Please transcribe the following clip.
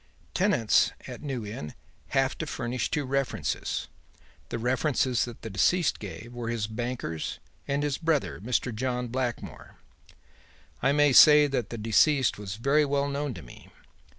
Tenants at New Inn have to furnish two references. The references that the deceased gave were his bankers and his brother, Mr. John Blackmore. I may say that the deceased was very well known to me.